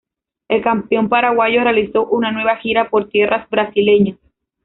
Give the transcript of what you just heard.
El campeón paraguayo realizó una nueva gira por tierras brasileñas.